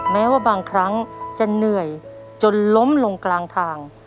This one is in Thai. แม้ว่าบางครั้งจะเหนื่อยจนล้มลงกลางทาง